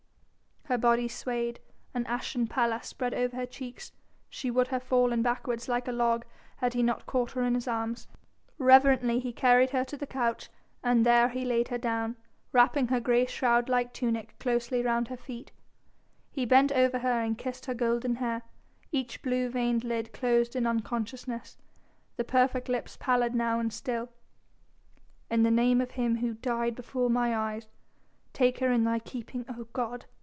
Her body swayed, an ashen pallor spread over her cheeks, she would have fallen backwards like a log had he not caught her in his arms. Reverently he carried her to the couch and there he laid her down, wrapping her grey shroud like tunic closely round her feet. He bent over her and kissed her golden hair, each blue veined lid closed in unconsciousness, the perfect lips pallid now and still. "In the name of Him Who died before mine eyes, take her in Thy keeping, O God!"